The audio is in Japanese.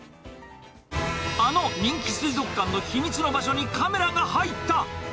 あの人気水族館の秘密の場所にカメラが入った。